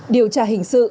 điều trả hình sự